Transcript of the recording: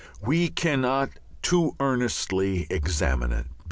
We cannot too earnestly examine it.